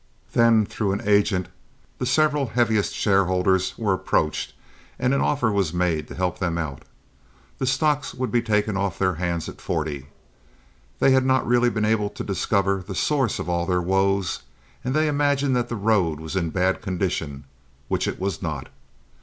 Then, through an agent, the several heaviest shareholders were approached and an offer was made to help them out. The stocks would be taken off their hands at forty. They had not really been able to discover the source of all their woes; and they imagined that the road was in bad condition, which it was not.